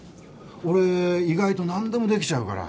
俺意外と何でもできちゃうから。